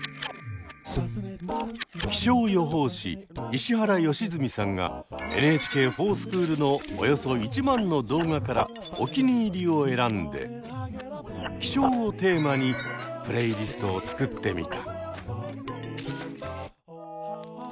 気象予報士石原良純さんが「ＮＨＫｆｏｒＳｃｈｏｏｌ」のおよそ１万の動画からおきにいりを選んで「気象」をテーマにプレイリストを作ってみた。